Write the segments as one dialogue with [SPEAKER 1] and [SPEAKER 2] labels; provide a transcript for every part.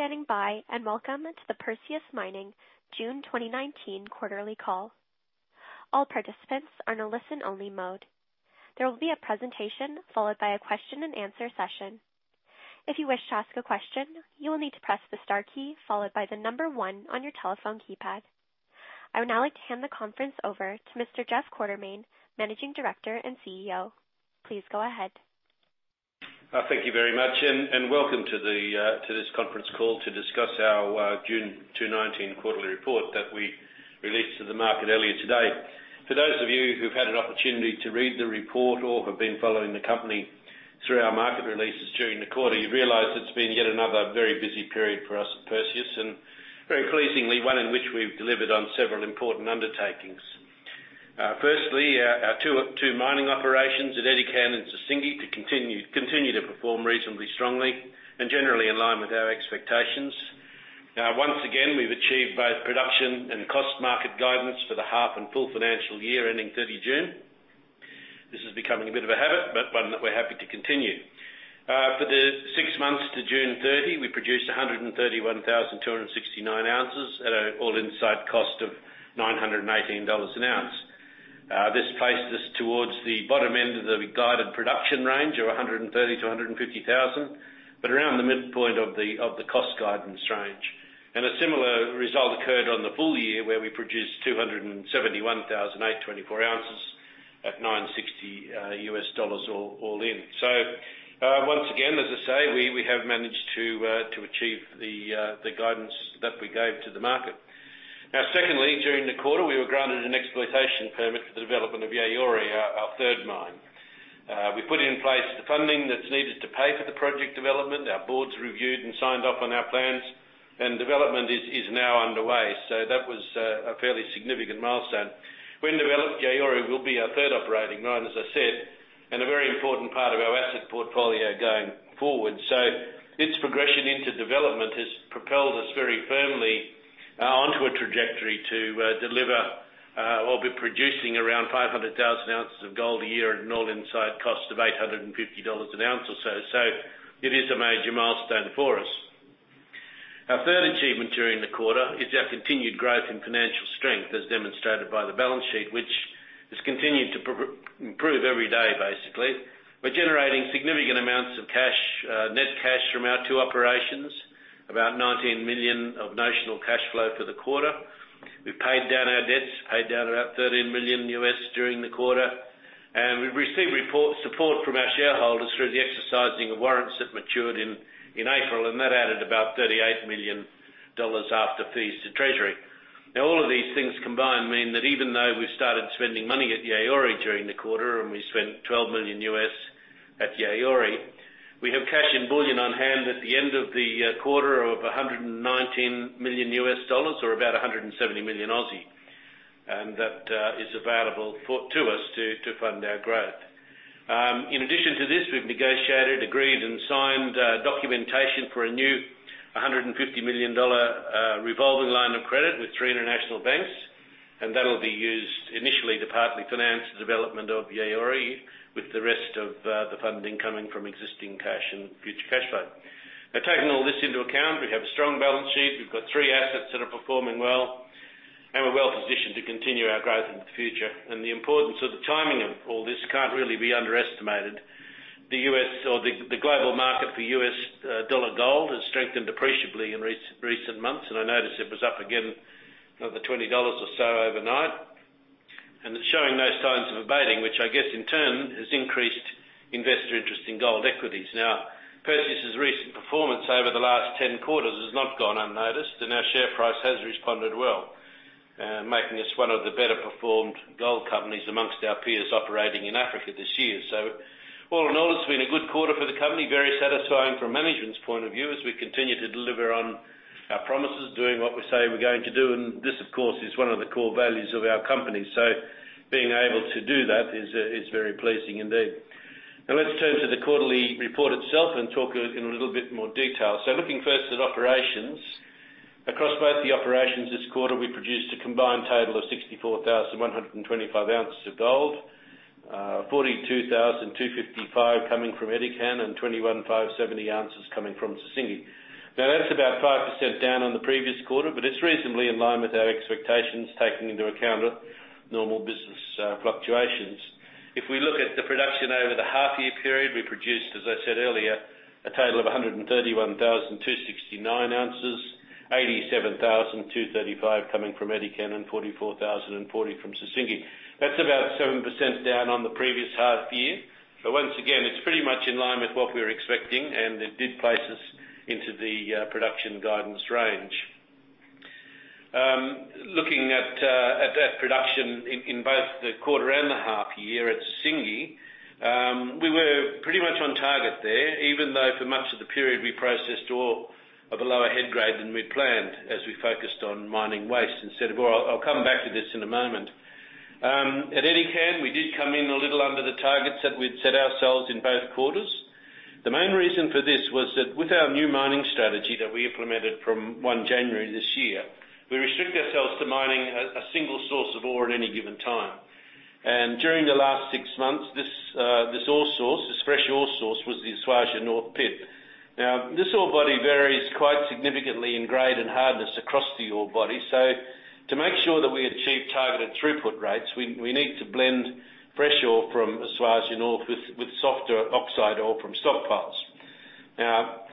[SPEAKER 1] Standing by and welcome to the Perseus Mining June 2019 quarterly call. All participants are in a listen-only mode. There will be a presentation followed by a question-and-answer session. If you wish to ask a question, you will need to press the star key followed by the number one on your telephone keypad. I would now like to hand the conference over to Mr. Jeff Quartermaine, Managing Director and CEO. Please go ahead.
[SPEAKER 2] Thank you very much, and welcome to this conference call to discuss our June 2019 quarterly report that we released to the market earlier today. For those of you who've had an opportunity to read the report or have been following the company through our market releases during the quarter, you'd realize it's been yet another very busy period for us at Perseus, and very pleasingly one in which we've delivered on several important undertakings. Firstly, our two mining operations at Edikan and Sissingué continue to perform reasonably strongly and generally in line with our expectations. Once again, we've achieved both production and cost market guidance for the half and full financial year ending 30 June. This is becoming a bit of a habit, but one that we're happy to continue. For the six months to June 30, we produced 131,269 ounces at an all-in site cost of $919 an ounce. This placed us towards the bottom end of the guided production range of 130,000-150,000, but around the midpoint of the cost guidance range. And a similar result occurred on the full year where we produced 271,824 ounces at $960 all-in. So once again, as I say, we have managed to achieve the guidance that we gave to the market. Now, secondly, during the quarter, we were granted an exploitation permit for the development of Yaouré, our third mine. We put in place the funding that's needed to pay for the project development. Our boards reviewed and signed off on our plans, and development is now underway. So that was a fairly significant milestone. When developed, Yaouré will be our third operating mine, as I said, and a very important part of our asset portfolio going forward. So its progression into development has propelled us very firmly onto a trajectory to deliver or be producing around 500,000 ounces of gold a year at an all-inside cost of $850 an ounce or so. So it is a major milestone for us. Our third achievement during the quarter is our continued growth in financial strength as demonstrated by the balance sheet, which has continued to improve every day, basically. We're generating significant amounts of net cash from our two operations, about $19 million of notional cash flow for the quarter. We've paid down our debts, paid down about $13 million during the quarter, and we've received support from our shareholders through the exercising of warrants that matured in April, and that added about $38 million after fees to treasury. Now, all of these things combined mean that even though we've started spending money at Yaouré during the quarter and we spent $12 million at Yaouré, we have cash in bullion on hand at the end of the quarter of $119 million or about 170 million ounces, and that is available to us to fund our growth. In addition to this, we've negotiated, agreed, and signed documentation for a new $150 million revolving line of credit with three international banks, and that'll be used initially to partly finance the development of Yaouré, with the rest of the funding coming from existing cash and future cash flow. Now, taking all this into account, we have a strong balance sheet, we've got three assets that are performing well, and we're well positioned to continue our growth into the future, and the importance of the timing of all this can't really be underestimated. The global market for U.S. dollar gold has strengthened appreciably in recent months, and I noticed it was up again another $20 or so overnight, and it's showing no signs of abating, which I guess in turn has increased investor interest in gold equities. Now, Perseus's recent performance over the last 10 quarters has not gone unnoticed, and our share price has responded well, making us one of the better performed gold companies among our peers operating in Africa this year. So all in all, it's been a good quarter for the company, very satisfying from management's point of view as we continue to deliver on our promises, doing what we say we're going to do, and this, of course, is one of the core values of our company. So being able to do that is very pleasing indeed. Now, let's turn to the quarterly report itself and talk in a little bit more detail. So looking first at operations, across both the operations this quarter, we produced a combined total of 64,125 ounces of gold, 42,255 coming from Edikan and 21,570 ounces coming from Sissingué. Now, that's about 5% down on the previous quarter, but it's reasonably in line with our expectations taking into account normal business fluctuations. If we look at the production over the half-year period, we produced, as I said earlier, a total of 131,269 ounces, 87,235 coming from Edikan and 44,040 from Sissingué. That's about 7% down on the previous half-year, but once again, it's pretty much in line with what we were expecting, and it did place us into the production guidance range. Looking at production in both the quarter and the half-year at Sissingué, we were pretty much on target there, even though for much of the period we processed ore of a lower head grade than we'd planned as we focused on mining waste instead of ore. I'll come back to this in a moment. At Edikan, we did come in a little under the targets that we'd set ourselves in both quarters. The main reason for this was that with our new mining strategy that we implemented from January this year, we restrict ourselves to mining a single source of ore at any given time. During the last six months, this ore source, this fresh ore source, was the Esuajah North Pit. Now, this ore body varies quite significantly in grade and hardness across the ore body, so to make sure that we achieve targeted throughput rates, we need to blend fresh ore from Esuajah North with softer oxide ore from stockpiles. Now,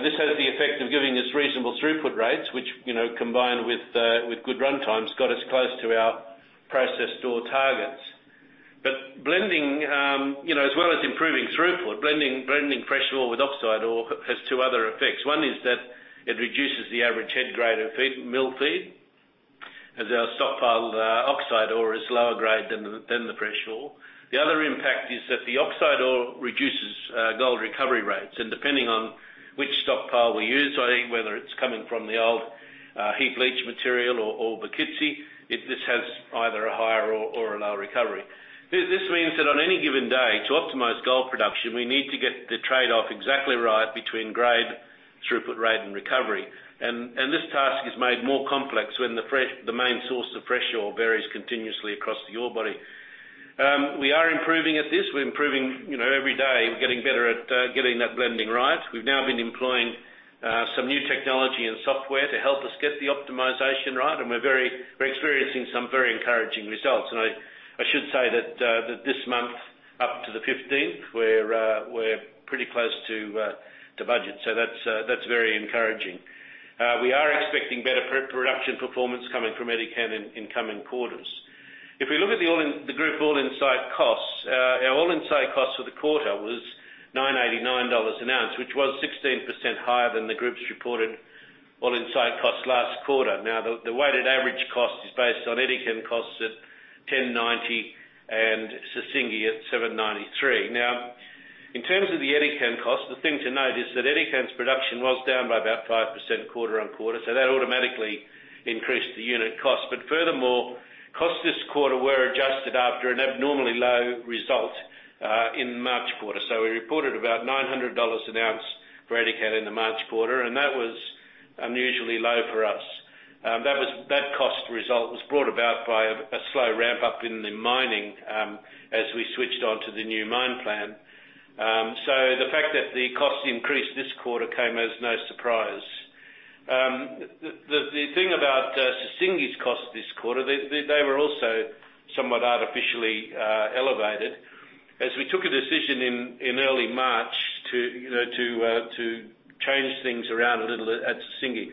[SPEAKER 2] this has the effect of giving us reasonable throughput rates, which, combined with good run times, got us close to our processed ore targets. Blending, as well as improving throughput, blending fresh ore with oxide ore has two other effects. One is that it reduces the average head grade of mill feed as our stockpile oxide ore is lower grade than the fresh ore. The other impact is that the oxide ore reduces gold recovery rates, and depending on which stockpile we use, whether it's coming from the old heap leach material or Bokitsi, this has either a higher or a lower recovery. This means that on any given day, to optimize gold production, we need to get the trade-off exactly right between grade, throughput rate, and recovery. And this task is made more complex when the main source of fresh ore varies continuously across the ore body. We are improving at this. We're improving every day. We're getting better at getting that blending right. We've now been employing some new technology and software to help us get the optimization right, and we're experiencing some very encouraging results. I should say that this month, up to the 15th, we're pretty close to budget, so that's very encouraging. We are expecting better production performance coming from Edikan in coming quarters. If we look at the group all-in site costs, our all-in site cost for the quarter was $989 an ounce, which was 16% higher than the group's reported all-in site cost last quarter. Now, the weighted average cost is based on Edikan costs at $10.90 and Sissingué at $7.93. Now, in terms of the Edikan cost, the thing to note is that Edikan's production was down by about 5% quarter on quarter, so that automatically increased the unit cost. But furthermore, costs this quarter were adjusted after an abnormally low result in March quarter. So we reported about $900 an ounce for Edikan in the March quarter, and that was unusually low for us. That cost result was brought about by a slow ramp-up in the mining as we switched onto the new mine plan. So the fact that the cost increased this quarter came as no surprise. The thing about Sissingué's cost this quarter, they were also somewhat artificially elevated as we took a decision in early March to change things around a little at Sissingué.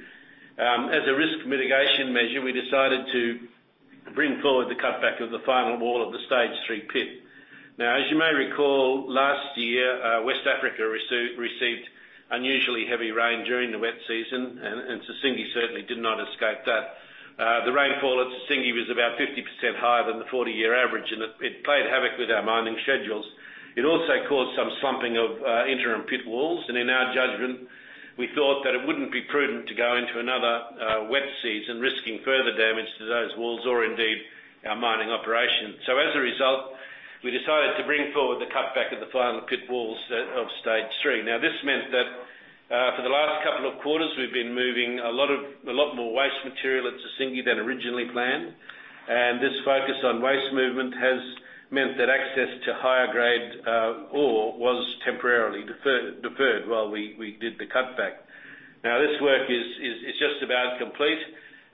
[SPEAKER 2] As a risk mitigation measure, we decided to bring forward the cutback of the final wall of the stage three pit. Now, as you may recall, last year, West Africa received unusually heavy rain during the wet season, and Sissingué certainly did not escape that. The rainfall at Sissingué was about 50% higher than the 40-year average, and it played havoc with our mining schedules. It also caused some slumping of interim pit walls, and in our judgment, we thought that it wouldn't be prudent to go into another wet season, risking further damage to those walls or indeed our mining operation. So as a result, we decided to bring forward the cutback of the final pit walls of stage three. Now, this meant that for the last couple of quarters, we've been moving a lot more waste material at Sissingué than originally planned, and this focus on waste movement has meant that access to higher grade ore was temporarily deferred while we did the cutback. Now, this work is just about complete,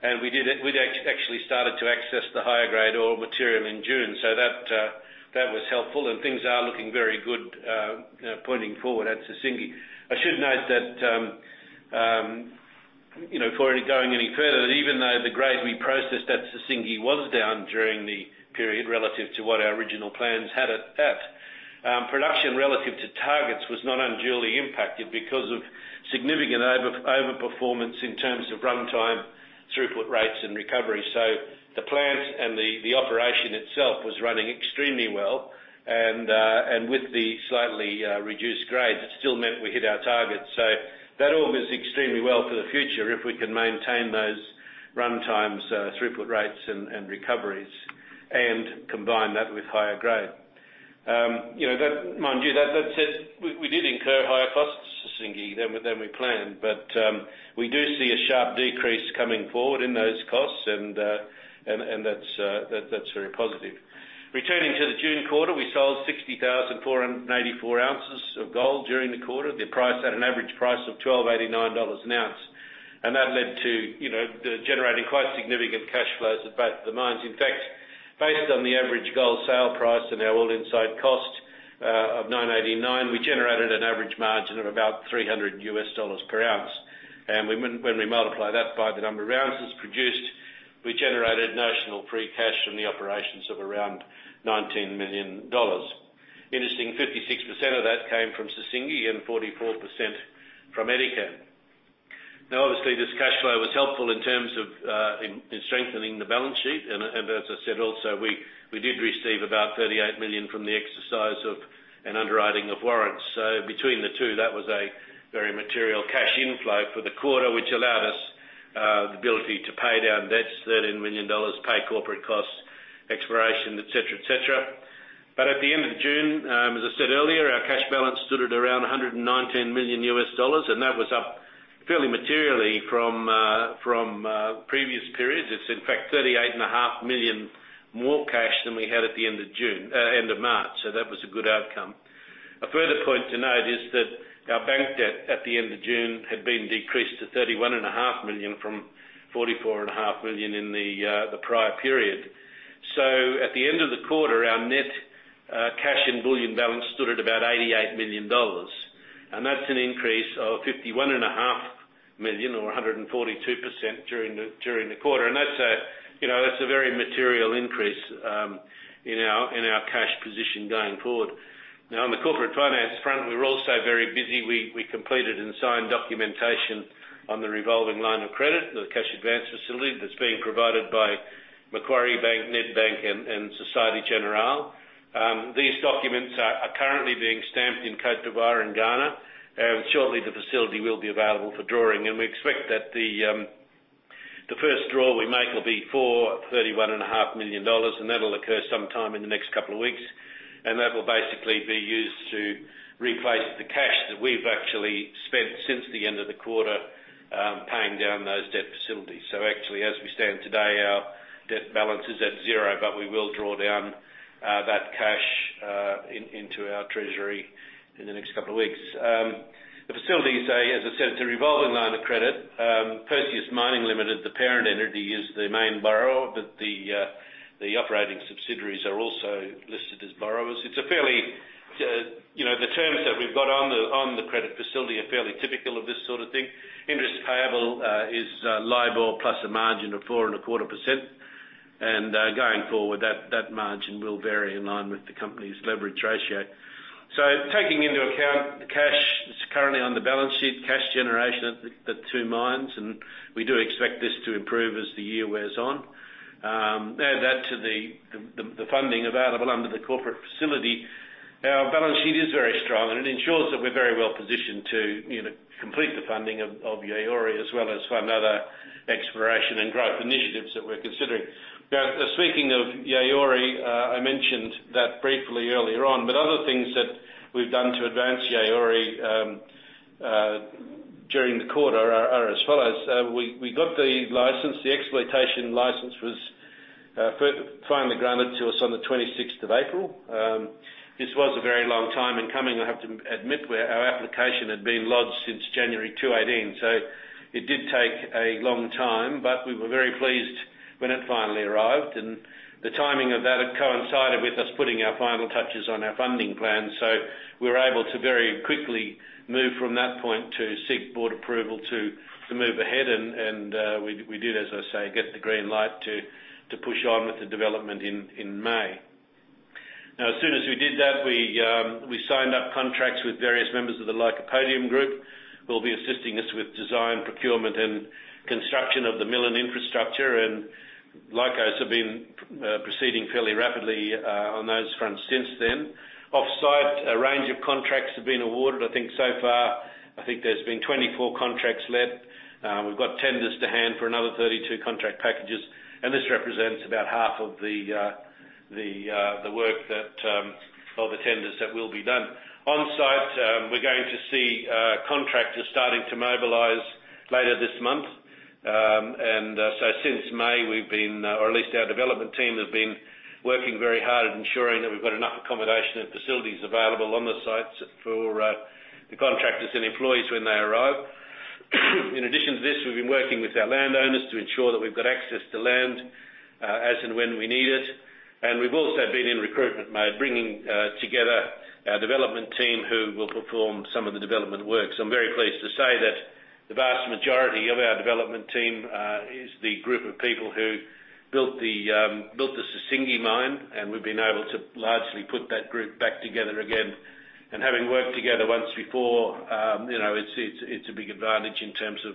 [SPEAKER 2] and we actually started to access the higher grade ore material in June, so that was helpful, and things are looking very good pointing forward at Sissingué. I should note that before going any further, that even though the grade we processed at Sissingué was down during the period relative to what our original plans had at, production relative to targets was not unduly impacted because of significant overperformance in terms of run time, throughput rates, and recovery. So the plant and the operation itself was running extremely well, and with the slightly reduced grades, it still meant we hit our targets. So that all goes extremely well for the future if we can maintain those run times, throughput rates, and recoveries, and combine that with higher grade. Mind you, that said, we did incur higher costs at Sissingué than we planned, but we do see a sharp decrease coming forward in those costs, and that's very positive. Returning to the June quarter, we sold 60,494 ounces of gold during the quarter. The price had an average price of $12.89 an ounce, and that led to generating quite significant cash flows at both of the mines. In fact, based on the average gold sale price and our all-in site cost of $989, we generated an average margin of about $300 per ounce. When we multiply that by the number of ounces produced, we generated notional free cash from the operations of around $19 million. Interestingly, 56% of that came from Sissingué and 44% from Edikan. Now, obviously, this cash flow was helpful in terms of strengthening the balance sheet, and as I said also, we did receive about $38 million from the exercise of an underwriting of warrants. Between the two, that was a very material cash inflow for the quarter, which allowed us the ability to pay down debts $13 million, pay corporate costs, exploration, etc., etc. But at the end of June, as I said earlier, our cash balance stood at around $119 million US dollars, and that was up fairly materially from previous periods. It's, in fact, $38.5 million more cash than we had at the end of March, so that was a good outcome. A further point to note is that our bank debt at the end of June had been decreased to $31.5 million from $44.5 million in the prior period. So at the end of the quarter, our net cash and bullion balance stood at about $88 million, and that's an increase of $51.5 million or 142% during the quarter, and that's a very material increase in our cash position going forward. Now, on the corporate finance front, we were also very busy. We completed and signed documentation on the revolving line of credit, the cash advance facility that's being provided by Macquarie Bank, Nedbank, and Société Générale. These documents are currently being stamped in Côte d'Ivoire in Ghana, and shortly, the facility will be available for drawing, and we expect that the first draw we make will be for $31.5 million, and that'll occur sometime in the next couple of weeks, and that will basically be used to replace the cash that we've actually spent since the end of the quarter paying down those debt facilities. So actually, as we stand today, our debt balance is at zero, but we will draw down that cash into our treasury in the next couple of weeks. The facilities, as I said, it's a revolving line of credit. Perseus Mining Limited, the parent entity, is the main borrower, but the operating subsidiaries are also listed as borrowers. The terms that we've got on the credit facility are fairly typical of this sort of thing. Interest payable is LIBOR plus a margin of 4.25%, and going forward, that margin will vary in line with the company's leverage ratio. So taking into account the cash that's currently on the balance sheet, cash generation at the two mines, and we do expect this to improve as the year wears on. Add that to the funding available under the corporate facility, our balance sheet is very strong, and it ensures that we're very well positioned to complete the funding of Yaouré, as well as fund other exploration and growth initiatives that we're considering. Now, speaking of Yaouré, I mentioned that briefly earlier on, but other things that we've done to advance Yaouré during the quarter are as follows. We got the license. The exploitation license was finally granted to us on the 26th of April. This was a very long time in coming. I have to admit, our application had been lodged since January 2018, so it did take a long time, but we were very pleased when it finally arrived, and the timing of that coincided with us putting our final touches on our funding plan, so we were able to very quickly move from that point to seek board approval to move ahead, and we did, as I say, get the green light to push on with the development in May. Now, as soon as we did that, we signed up contracts with various members of the Lycopodium Group. They'll be assisting us with design, procurement, and construction of the mill and infrastructure, and Lycopodium have been proceeding fairly rapidly on those fronts since then. Off-site, a range of contracts have been awarded. I think so far, there's been 24 contracts let. We've got tenders to hand for another 32 contract packages, and this represents about half of the work that of the tenders that will be done. On-site, we're going to see contractors starting to mobilize later this month, and so since May, we've been, or at least our development team has been working very hard at ensuring that we've got enough accommodation and facilities available on the sites for the contractors and employees when they arrive. In addition to this, we've been working with our landowners to ensure that we've got access to land as and when we need it, and we've also been in recruitment mode, bringing together our development team who will perform some of the development work. So I'm very pleased to say that the vast majority of our development team is the group of people who built the Sissingué mine, and we've been able to largely put that group back together again, and having worked together once before, it's a big advantage in terms of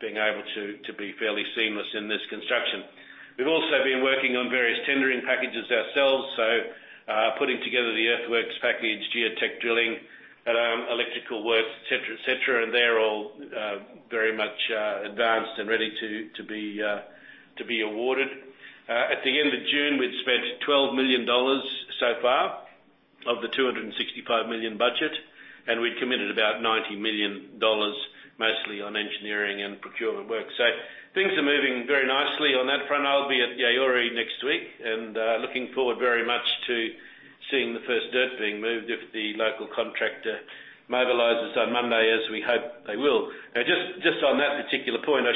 [SPEAKER 2] being able to be fairly seamless in this construction. We've also been working on various tendering packages ourselves, so putting together the earthworks package, geotech drilling, electrical works, etc., etc., and they're all very much advanced and ready to be awarded. At the end of June, we'd spent $12 million so far of the $265 million budget, and we'd committed about $90 million, mostly on engineering and procurement work. So things are moving very nicely on that front. I'll be at Yaouré next week, and looking forward very much to seeing the first dirt being moved if the local contractor mobilizes on Monday, as we hope they will. Now, just on that particular point, I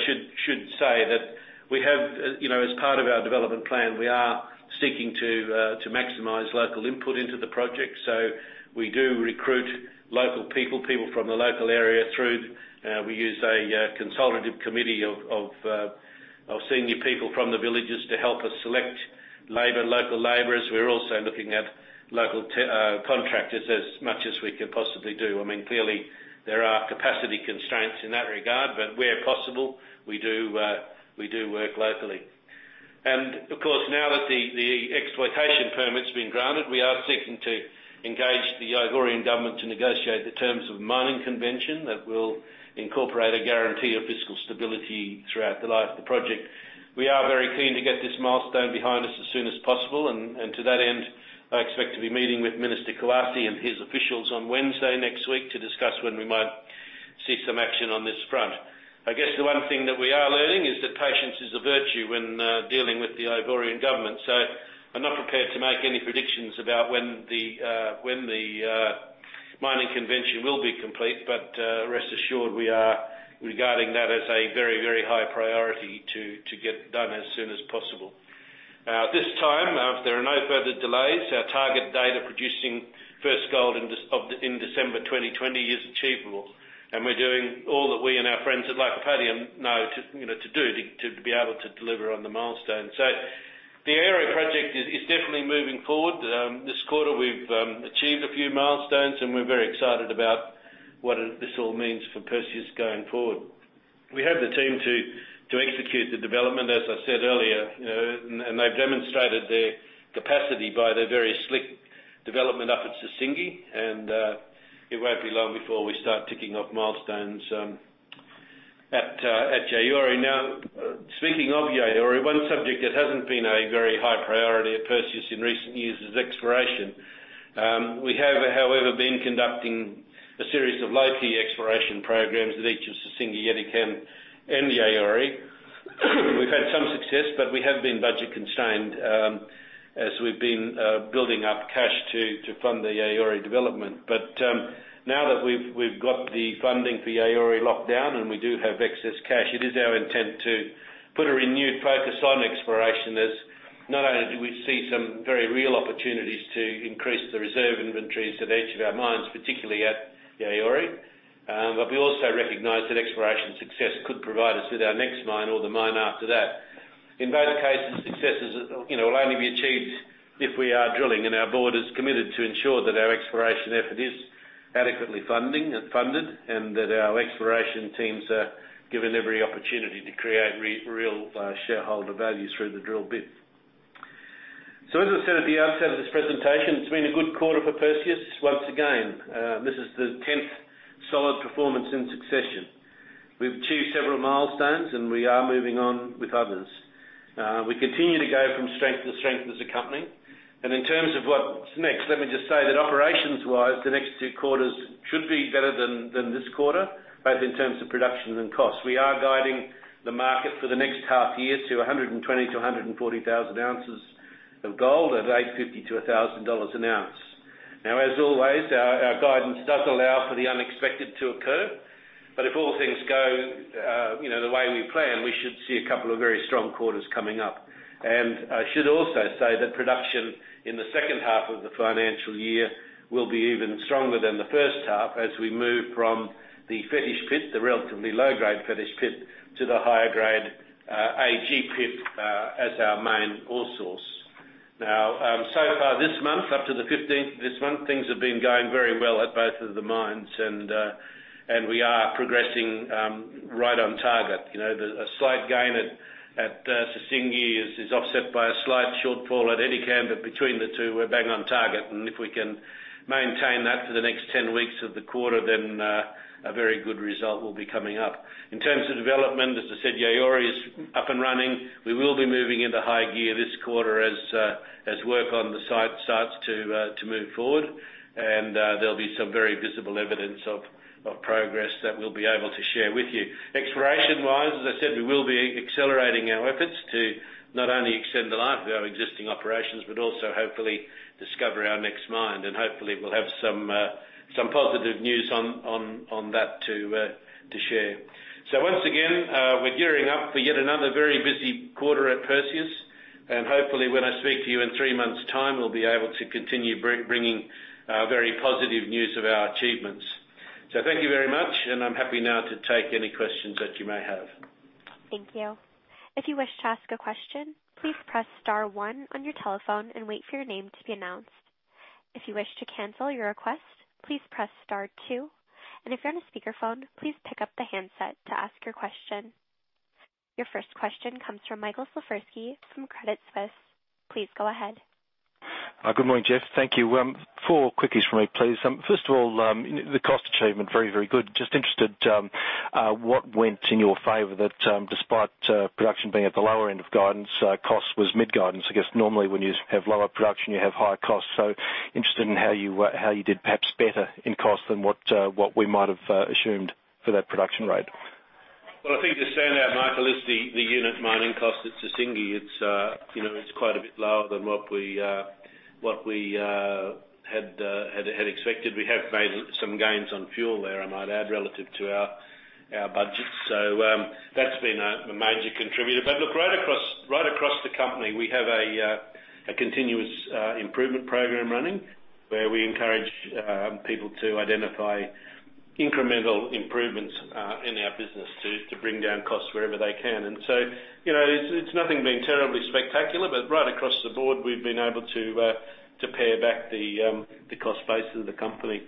[SPEAKER 2] should say that we have, as part of our development plan, we are seeking to maximise local input into the project, so we do recruit local people, people from the local area through. We use a consultative committee of senior people from the villages to help us select local labourers. We're also looking at local contractors as much as we can possibly do. I mean, clearly, there are capacity constraints in that regard, but where possible, we do work locally. And of course, now that the exploitation permit's been granted, we are seeking to engage the Yaouré government to negotiate the terms of a mining convention that will incorporate a guarantee of fiscal stability throughout the life of the project. We are very keen to get this milestone behind us as soon as possible, and to that end, I expect to be meeting with Minister Jean-Claude Kouassi and his officials on Wednesday next week to discuss when we might see some action on this front. I guess the one thing that we are learning is that patience is a virtue when dealing with the Yaouré government, so I'm not prepared to make any predictions about when the mining convention will be complete, but rest assured we are regarding that as a very, very high priority to get done as soon as possible. At this time, if there are no further delays, our target date of producing first gold in December 2020 is achievable, and we're doing all that we and our friends at Lycopodium know to do to be able to deliver on the milestone. So the Yaouré project is definitely moving forward. This quarter, we've achieved a few milestones, and we're very excited about what this all means for Perseus going forward. We have the team to execute the development, as I said earlier, and they've demonstrated their capacity by their very slick development up at Sissingué, and it won't be long before we start ticking off milestones at Yaouré. Now, speaking of Yaouré, one subject that hasn't been a very high priority at Perseus in recent years is exploration. We have, however, been conducting a series of low-key exploration programs at each of Sissingué, Edikan, and Yaouré. We've had some success, but we have been budget-constrained as we've been building up cash to fund the Yaouré development. But now that we've got the funding for Yaouré locked down and we do have excess cash, it is our intent to put a renewed focus on exploration as not only do we see some very real opportunities to increase the reserve inventories at each of our mines, particularly at Yaouré, but we also recognize that exploration success could provide us with our next mine or the mine after that. In both cases, success will only be achieved if we are drilling and our board is committed to ensure that our exploration effort is adequately funded and that our exploration teams are given every opportunity to create real shareholder value through the drill bits. So, as I said at the outset of this presentation, it's been a good quarter for Perseus once again. This is the 10th solid performance in succession. We've achieved several milestones, and we are moving on with others. We continue to go from strength to strength as a company, and in terms of what's next, let me just say that operations-wise, the next two quarters should be better than this quarter, both in terms of production and cost. We are guiding the market for the next half year to 120,000 to 140,000 ounces of gold at $850-$1,000 an ounce. Now, as always, our guidance does allow for the unexpected to occur, but if all things go the way we plan, we should see a couple of very strong quarters coming up. I should also say that production in the second half of the financial year will be even stronger than the first half as we move from the Fetish Pit, the relatively low-grade Fetish Pit, to the higher-grade AG Pit as our main ore source. Now, so far this month, up to the 15th of this month, things have been going very well at both of the mines, and we are progressing right on target. A slight gain at Sissingué is offset by a slight shortfall at Edikan, but between the two, we're bang on target, and if we can maintain that for the next 10 weeks of the quarter, then a very good result will be coming up. In terms of development, as I said, Yaouré is up and running. We will be moving into high gear this quarter as work on the site starts to move forward, and there'll be some very visible evidence of progress that we'll be able to share with you. Exploration-wise, as I said, we will be accelerating our efforts to not only extend the life of our existing operations but also, hopefully, discover our next mine, and hopefully, we'll have some positive news on that to share. So once again, we're gearing up for yet another very busy quarter at Perseus, and hopefully, when I speak to you in three months' time, we'll be able to continue bringing very positive news of our achievements. So thank you very much, and I'm happy now to take any questions that you may have.
[SPEAKER 1] Thank you. If you wish to ask a question, please press Star 1 on your telephone and wait for your name to be announced. If you wish to cancel your request, please press Star 2, and if you're on a speakerphone, please pick up the handset to ask your question. Your first question comes from Michael Slifirski from Credit Suisse. Please go ahead.
[SPEAKER 3] Good morning, Jeff. Thank you. Four quickies from me, please. First of all, the cost achievement, very, very good. Just interested in what went in your favor that despite production being at the lower end of guidance, cost was mid-guidance. I guess normally, when you have lower production, you have higher cost, so interested in how you did perhaps better in cost than what we might have assumed for that production rate?
[SPEAKER 2] I think you're saying that, Michael, is the unit mining cost at Sissingué, it's quite a bit lower than what we had expected. We have made some gains on fuel there, I might add, relative to our budgets, so that's been a major contributor. But look, right across the company, we have a continuous improvement program running where we encourage people to identify incremental improvements in our business to bring down cost wherever they can. And so it's nothing being terribly spectacular, but right across the board, we've been able to pare back the cost basis of the company.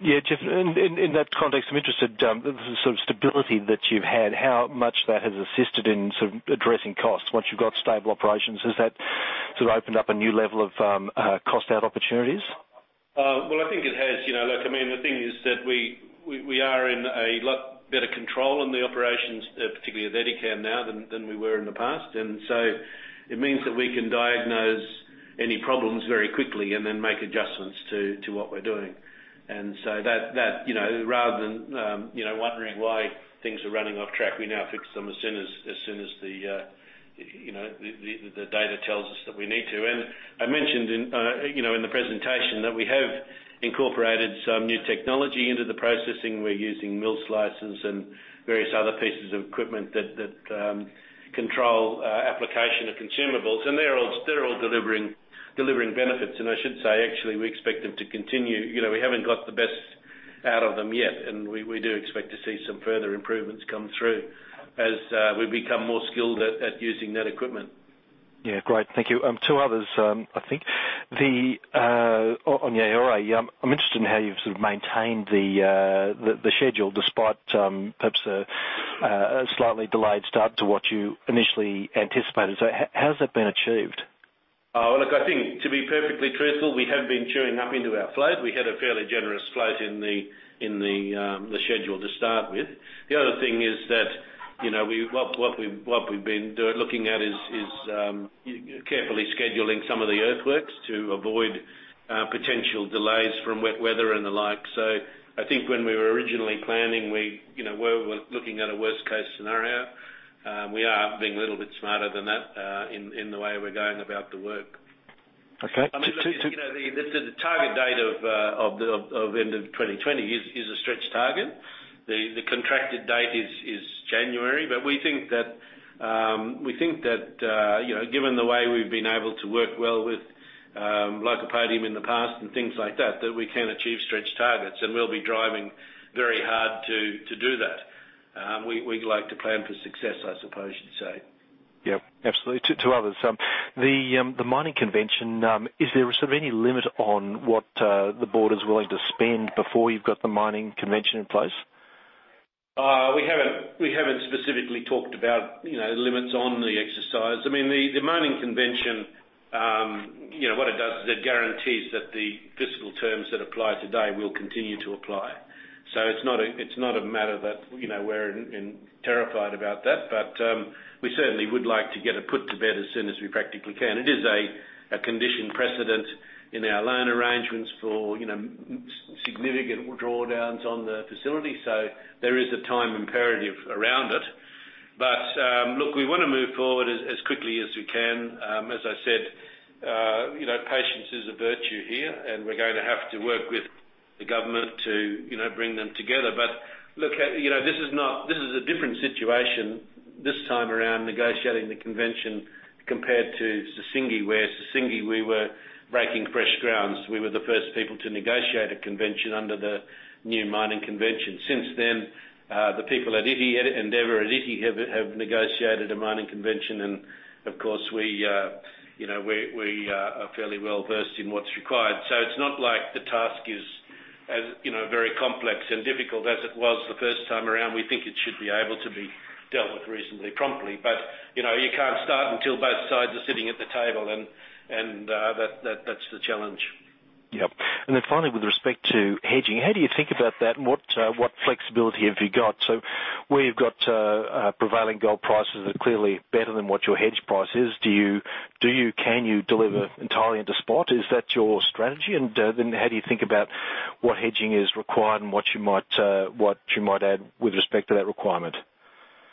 [SPEAKER 3] Yeah, Jeff, in that context, I'm interested in the sort of stability that you've had, how much that has assisted in sort of addressing costs once you've got stable operations. Has that sort of opened up a new level of cost-out opportunities?
[SPEAKER 2] I think it has. Look, I mean, the thing is that we are in a lot better control on the operations, particularly at Edikan now than we were in the past, and so it means that we can diagnose any problems very quickly and then make adjustments to what we're doing. So that, rather than wondering why things are running off track, we now fix them as soon as the data tells us that we need to. I mentioned in the presentation that we have incorporated some new technology into the processing. We're using Mill Slicers and various other pieces of equipment that control application of consumables, and they're all delivering benefits. I should say, actually, we expect them to continue. We haven't got the best out of them yet, and we do expect to see some further improvements come through as we become more skilled at using that equipment.
[SPEAKER 3] Yeah, great. Thank you. Two others, I think. On Yaouré, I'm interested in how you've sort of maintained the schedule despite perhaps a slightly delayed start to what you initially anticipated. So how has that been achieved?
[SPEAKER 2] Look, I think, to be perfectly truthful, we have been chewing up into our float. We had a fairly generous float in the schedule to start with. The other thing is that what we've been looking at is carefully scheduling some of the earthworks to avoid potential delays from wet weather and the like. I think when we were originally planning, we were looking at a worst-case scenario. We are being a little bit smarter than that in the way we're going about the work.
[SPEAKER 3] Okay.
[SPEAKER 2] I mean, the target date of end of 2020 is a stretch target. The contracted date is January, but we think that, given the way we've been able to work well with Lycopodium in the past and things like that, that we can achieve stretch targets, and we'll be driving very hard to do that. We'd like to plan for success, I suppose you'd say.
[SPEAKER 3] Yeah, absolutely. Two others. The Mining Convention, is there sort of any limit on what the board is willing to spend before you've got the Mining Convention in place?
[SPEAKER 2] We haven't specifically talked about limits on the exercise. I mean, the mining convention, what it does is it guarantees that the fiscal terms that apply today will continue to apply. So it's not a matter that we're terrified about that, but we certainly would like to get it put to bed as soon as we practically can. It is a condition precedent in our loan arrangements for significant drawdowns on the facility, so there is a time imperative around it. But look, we want to move forward as quickly as we can. As I said, patience is a virtue here, and we're going to have to work with the government to bring them together. But look, this is a different situation this time around negotiating the convention compared to Sissingué, where Sissingué, we were breaking fresh grounds. We were the first people to negotiate a convention under the new mining convention. Since then, the people at Endeavour have negotiated a mining convention, and of course, we are fairly well versed in what's required. So it's not like the task is as very complex and difficult as it was the first time around. We think it should be able to be dealt with reasonably promptly, but you can't start until both sides are sitting at the table, and that's the challenge.
[SPEAKER 3] Yeah. And then finally, with respect to hedging, how do you think about that, and what flexibility have you got? So where you've got prevailing gold prices that are clearly better than what your hedge price is, can you deliver entirely into spot? Is that your strategy? And then how do you think about what hedging is required and what you might add with respect to that requirement?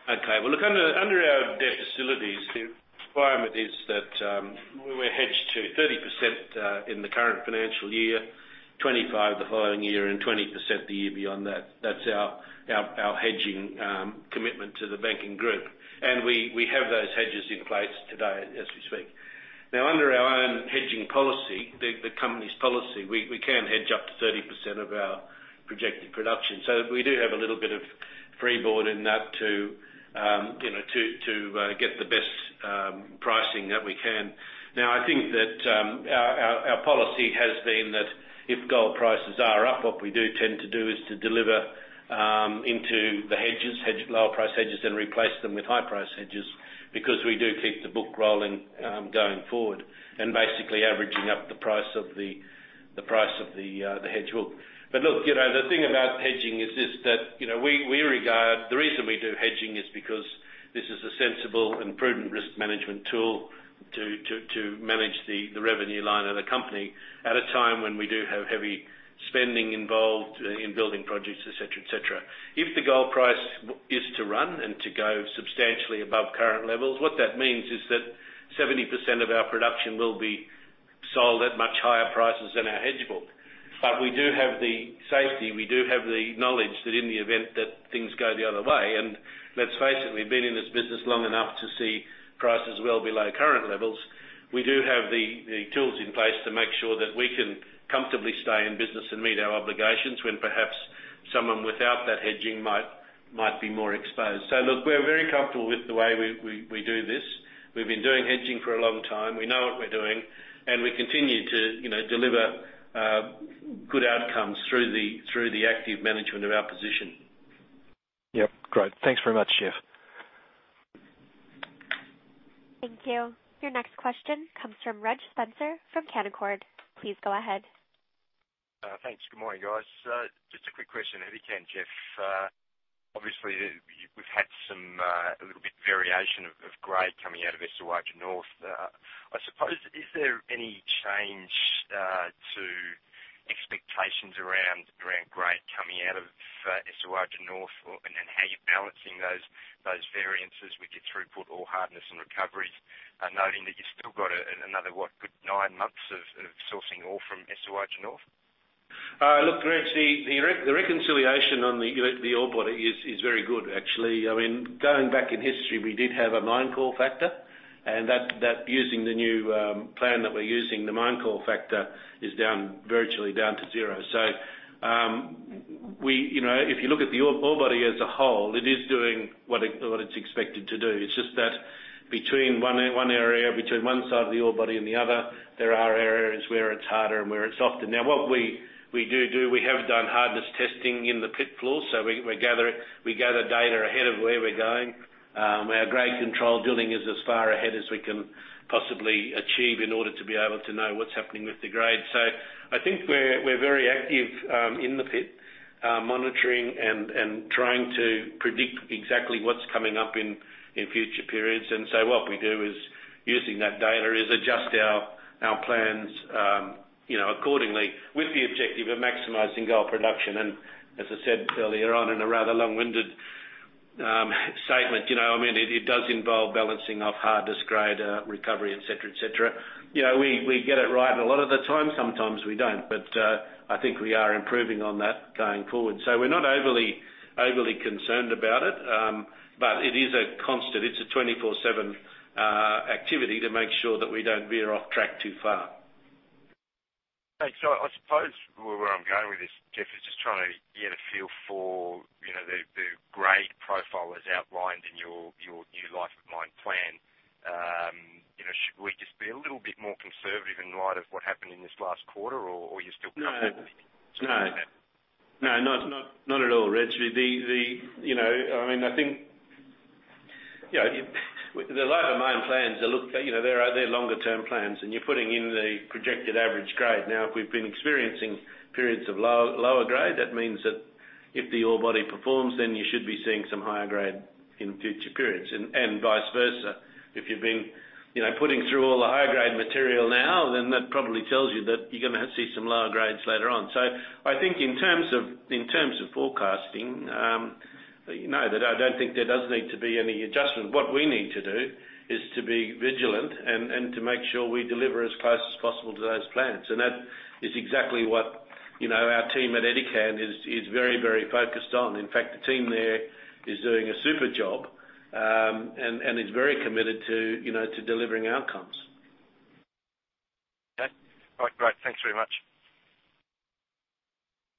[SPEAKER 2] Okay. Well, look, under our debt facilities, the requirement is that we're hedged to 30% in the current financial year, 25% the following year, and 20% the year beyond that. That's our hedging commitment to the banking group, and we have those hedges in place today as we speak. Now, under our own hedging policy, the company's policy, we can hedge up to 30% of our projected production. So we do have a little bit of freeboard in that to get the best pricing that we can. Now, I think that our policy has been that if gold prices are up, what we do tend to do is to deliver into the hedges, lower-price hedges, and replace them with high-price hedges because we do keep the book rolling going forward and basically averaging up the price of the hedge book. But look, the thing about hedging is this: that we regard the reason we do hedging is because this is a sensible and prudent risk management tool to manage the revenue line of the company at a time when we do have heavy spending involved in building projects, etc., etc. If the gold price is to run and to go substantially above current levels, what that means is that 70% of our production will be sold at much higher prices than our hedge book. But we do have the safety. We do have the knowledge that in the event that things go the other way, and let's face it, we've been in this business long enough to see prices well below current levels. We do have the tools in place to make sure that we can comfortably stay in business and meet our obligations when perhaps someone without that hedging might be more exposed. So look, we're very comfortable with the way we do this. We've been doing hedging for a long time. We know what we're doing, and we continue to deliver good outcomes through the active management of our position.
[SPEAKER 3] Yeah. Great. Thanks very much, Jeff.
[SPEAKER 1] Thank you. Your next question comes from Reg Spencer from Canaccord. Please go ahead.
[SPEAKER 4] Thanks. Good morning, guys. Just a quick question, Edikan, Jeff. Obviously, we've had a little bit of variation in grade coming out of Esuajah North. I suppose, is there any change to expectations around grade coming out of Esuajah North and how you're balancing those variances with your throughput or hardness and recoveries, noting that you've still got another what, good nine months of sourcing ore from Esuajah North?
[SPEAKER 2] Look, Reg, the reconciliation on the ore body is very good, actually. I mean, going back in history, we did have a Mine Call Factor, and using the new plan that we're using, the Mine Call Factor is virtually down to zero. So if you look at the ore body as a whole, it is doing what it's expected to do. It's just that between one area, between one side of the ore body and the other, there are areas where it's harder and where it's softer. Now, what we do do, we have done hardness testing in the pit floor, so we gather data ahead of where we're going. Our grade control drilling is as far ahead as we can possibly achieve in order to be able to know what's happening with the grade. So I think we're very active in the pit, monitoring and trying to predict exactly what's coming up in future periods. And so what we do is, using that data, is adjust our plans accordingly with the objective of maximizing gold production. And as I said earlier on in a rather long-winded statement, I mean, it does involve balancing off hardness, grade, recovery, etc., etc. We get it right a lot of the time. Sometimes we don't, but I think we are improving on that going forward. So we're not overly concerned about it, but it is a constant. It's a 24/7 activity to make sure that we don't veer off track too far.
[SPEAKER 4] Thanks. So I suppose where I'm going with this, Jeff, is just trying to get a feel for the grade profile as outlined in your new life of mine plan. Should we just be a little bit more conservative in light of what happened in this last quarter, or are you still comfortable with that?
[SPEAKER 2] No. No, not at all, Reg. I mean, I think the life of mine plans, they're longer-term plans, and you're putting in the projected average grade. Now, if we've been experiencing periods of lower grade, that means that if the ore body performs, then you should be seeing some higher grade in future periods and vice versa. If you've been putting through all the high-grade material now, then that probably tells you that you're going to see some lower grades later on. I think in terms of forecasting, I don't think there does need to be any adjustment. What we need to do is to be vigilant and to make sure we deliver as close as possible to those plans, and that is exactly what our team at Edikan is very, very focused on. In fact, the team there is doing a super job and is very committed to delivering outcomes.
[SPEAKER 4] Okay. All right. Great. Thanks very much.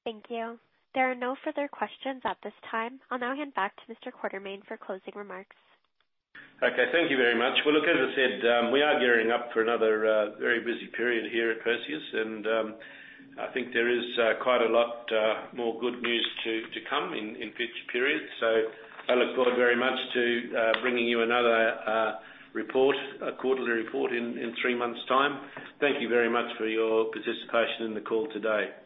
[SPEAKER 1] Thank you. There are no further questions at this time. I'll now hand back to Mr. Quartermaine for closing remarks.
[SPEAKER 2] Okay. Thank you very much. Well, look, as I said, we are gearing up for another very busy period here at Perseus, and I think there is quite a lot more good news to come in future periods. So I look forward very much to bringing you another report, a quarterly report in three months' time. Thank you very much for your participation in the call today.